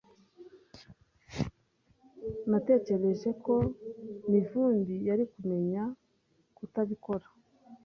Natekereje ko Mivumbi yari kumenya kutabikora.